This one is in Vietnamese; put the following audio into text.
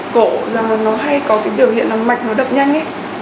cổ nó hay có tình biểu hiện là mạch nó đập nhanh